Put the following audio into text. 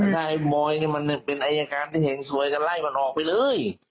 แต่ถ้ามอยนี่มันเนี้ยเป็นอายการที่เห็นสวยกันไล่มันออกไปเลย